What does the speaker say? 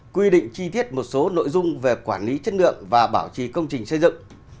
quy định chi tiết một số nội dung về quản lý chất lượng và bảo trì công trình xây dựng